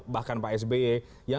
bahkan pak sbe